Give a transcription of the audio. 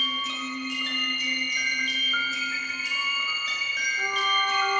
apakah aku di dalam ruangan di cermin kaca